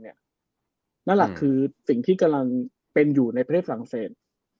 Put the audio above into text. นั่นแหละคือสิ่งที่กำลังเป็นอยู่ในประเทศฝรั่งเศส